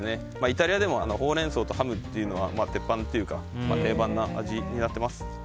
イタリアでもほうれん草とハムっていうのは鉄板というか定番な味になっています。